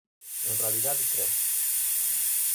En realidade tres.